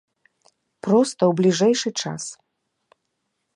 Проста ў бліжэйшы час.